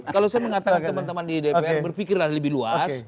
kalau saya mengatakan teman teman di dpr berpikirlah lebih luas